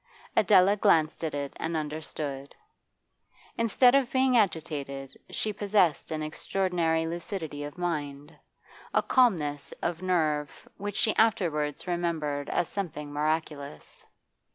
Adela glanced at it and understood. Instead of being agitated she possessed an extraordinary lucidity of mind, a calmness of nerve which she afterwards remembered as something miraculous.